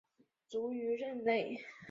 卒于任内。